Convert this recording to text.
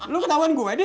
lo ketauan gua deh